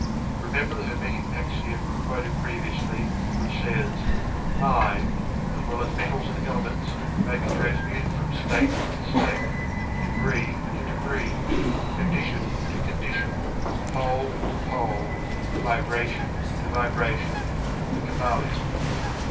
Remember the Hermetic Axiom (quoted previously), which says: "Mind (as well as metals and elements) may be transmuted from state to state; degree to degree, condition to condition; pole to pole; vibration to vibration." The Kybalion.